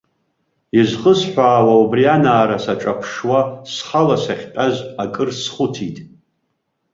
Изхысҳәаауа, убри анаара саҿаԥшуа, схала сахьтәаз акыр схәыцит.